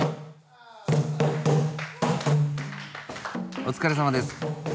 お疲れさまです。